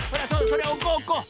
それおこうおこう。